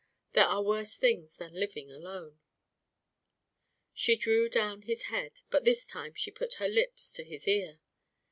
There are worse things than living alone." She drew down his head, but this time she put her lips to his ear.